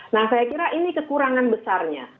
nah saya kira ini kekurangan besarnya